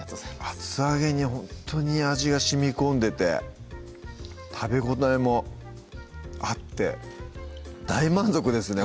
厚揚げにほんとに味がしみこんでて食べ応えもあって大満足ですね